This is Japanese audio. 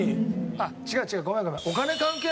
あっ違う違うごめんごめん。